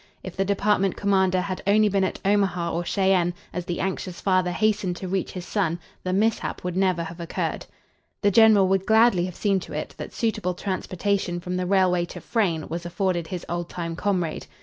If the department commander had only been at Omaha or Cheyenne, as the anxious father hastened to reach his son, the mishap would never have occurred. The general would gladly have seen to it that suitable transportation from the railway to Frayne was afforded his old time comrade.